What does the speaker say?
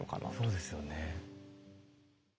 そうですよね。